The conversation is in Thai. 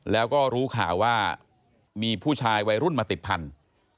แล้วก็รู้ข่าวว่ามีผู้ชายวัยรุ่นมาติดพันธุ์